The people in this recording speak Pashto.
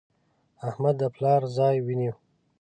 احمد د پلار ځای ونیو.